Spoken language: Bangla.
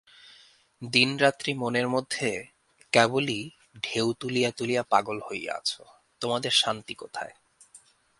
দিনরাত্রি মনের মধ্যে কেবলই ঢেউ তুলিয়া তুলিয়া পাগল হইয়া আছ, তোমাদের শান্তি কোথায়?